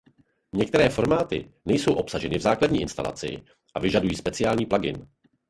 Některé formáty nejsou obsaženy v základní instalaci a vyžadují speciální plugin.